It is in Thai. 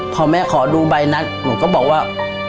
พอแม่ขอดูใบนัดหนูก็บอกว่า